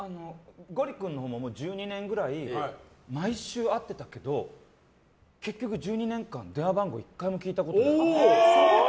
ゴリ君は１２年くらい毎週会ってたけど、結局１２年間電話番号、１回も聞いたことない。